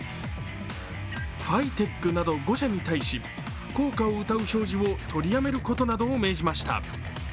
ファイテックなど５社に対し効果をうたう表示を取りやめることなどを命じました。